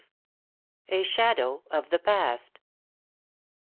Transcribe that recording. A SHADOW OF THE PAST.